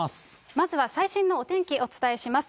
まずは最新のお天気、お伝えします。